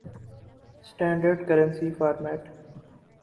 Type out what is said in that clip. standard currency format